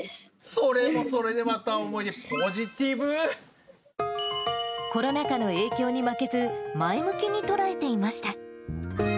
それもそれでまた思い出、コロナ禍の影響に負けず、前向きにとらえていました。